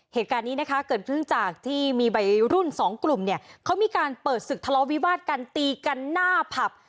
เหตุการณ์นี้นะคะเกิดขึ้นจากที่มีวัยรุ่นสองกลุ่มเนี่ยเขามีการเปิดศึกทะเลาวิวาดกันตีกันหน้าผับ